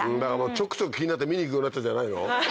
ちょくちょく気になって見に行くようになっちゃうんじゃないの？